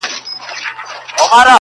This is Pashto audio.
قاسم یار جوړ له دې څلور ټکو جمله یمه زه,